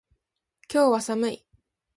今日は寒い。